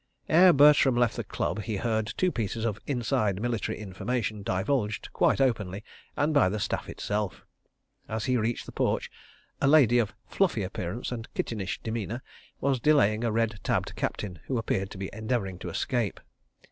Ere Bertram left the Club, he heard two pieces of "inside" military information divulged quite openly, and by the Staff itself. As he reached the porch, a lady of fluffy appearance and kittenish demeanour was delaying a red tabbed captain who appeared to be endeavouring to escape.